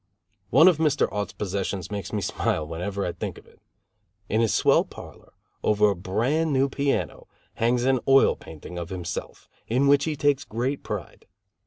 One of Mr. Aut's possessions makes me smile whenever I think of it. In his swell parlor, over a brand new piano, hangs an oil painting of himself, in which he takes great pride.